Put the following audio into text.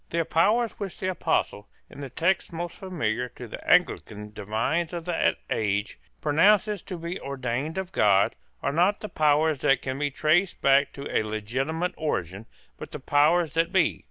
The powers which the Apostle, in the text most familiar to the Anglican divines of that age, pronounces to be ordained of God, are not the powers that can be traced back to a legitimate origin, but the powers that be.